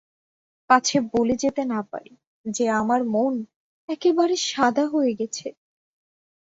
পাছে বলে যেতে না পারি যে আমার মন একেবারে সাদা হয়ে গেছে।